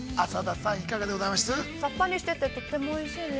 ◆さっぱりしててとてもおいしいです。